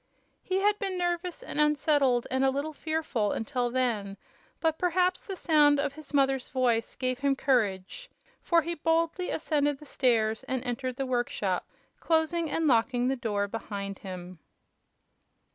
He had been nervous and unsettled and a little fearful until then, but perhaps the sound of his mother's voice gave him courage, for he boldly ascended the stairs and entered the workshop, closing and locking the door behind him.